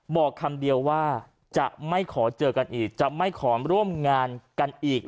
บอกคำเดียวว่าจะไม่ขอเจอกันอีกจะไม่ขอร่วมงานกันอีก